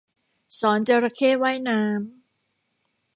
สอนจระเข้ว่ายน้ำ